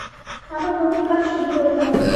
আমার নতুন কাজ শুরু করলাম।